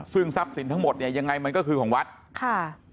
ซึ่งทรัพย์สินทั้งหมดเนี่ยยังไงมันก็คือของวัดค่ะ